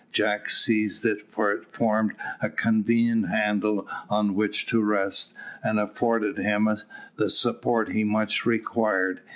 Jack seized it, for it formed a convenient handle on which to rest, and afforded him a support he much required.